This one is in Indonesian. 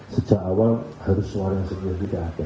sejak awal harus suara yang sebenarnya tidak ada